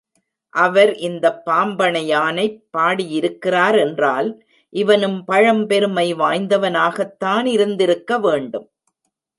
அவர் இந்தப் பாம்பணையானைப் பாடியிருக்கிறார் என்றால் இவனும் பழம்பெருமை வாய்ந்தவனாகத்தான் இருந்திருக்க வேண்டும்.